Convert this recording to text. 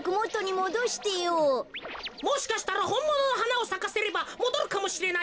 もしかしたらほんもののはなをさかせればもどるかもしれないぜ。